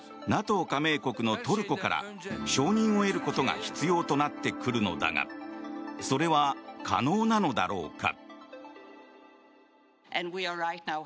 加盟国のトルコから承認を得ることが必要となってくるのだがそれは可能なのだろうか。